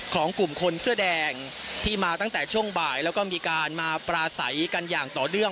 ของกลุ่มคนเสื้อแดงที่มาตั้งแต่ช่วงบ่ายแล้วก็มีการมาปราศัยกันอย่างต่อเนื่อง